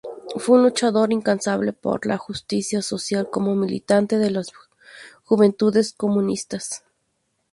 Fue un luchador incansable por la justicia social como militante de las Juventudes comunistas.